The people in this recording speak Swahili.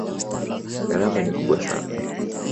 Gharama ni kubwa sana.